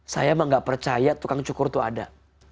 saya emang gak percaya tukang cukur itu ada